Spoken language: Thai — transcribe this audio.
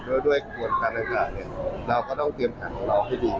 แล้วด้วยกวดคันต่างเนี่ยเราก็ต้องเตรียมฐานของเราให้ดี